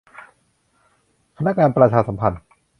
พนักงานประชาสัมพันธ์